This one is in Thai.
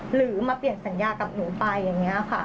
หรือมาเปลี่ยนสัญญากับหนูไปอย่างนี้ค่ะ